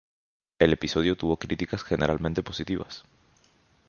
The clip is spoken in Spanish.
El episodio tuvo críticas generalmente positivas.